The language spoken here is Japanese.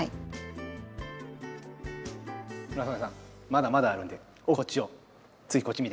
まだまだあるんでこっちを。